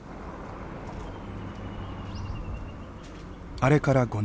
あれから５年。